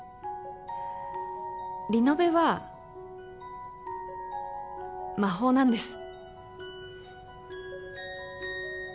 リノベは魔法なんです。